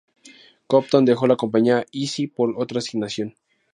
Compton dejó la Compañía Easy por otra asignación.